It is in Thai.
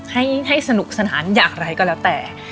ให้สนุกสนานอย่างไรก็แล้วแต่